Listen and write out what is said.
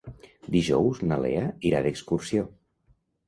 Dijous na Lea irà d'excursió.